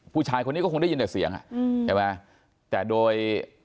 ผู้ชายคนนี้ก็คงได้ยินแต่เสียงอ่ะอืมใช่ไหมแต่โดย